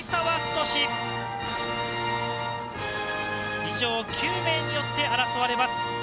以上、９名によって争われます。